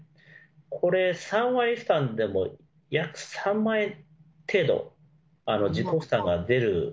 これ、３割負担でも約３万円程度、自己負担が出る。